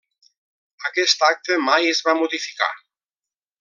Aquest acte mai es va modificar.